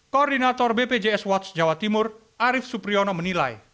koordinator bpjs watch jawa timur arief supriyono menilai